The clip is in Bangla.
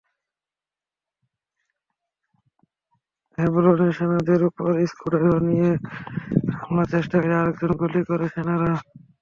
হেবরনে সেনাদের ওপর স্ক্রু ড্রাইভার নিয়ে হামলার চেষ্টাকারী আরেকজনকে গুলি করে সেনারা।